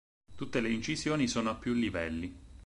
Tutte le incisioni sono a più livelli.